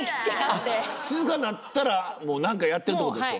静かになったらもう何かやってるってことでしょ？